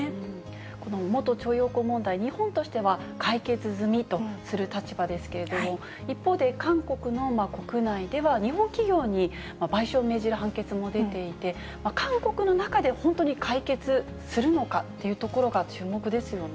この元徴用工問題、日本としては解決済みとする立場ですけれども、一方で、韓国の国内では、日本企業に賠償を命じる判決も出ていて、韓国の中で本当に解決するのかっていうところが注目ですよね。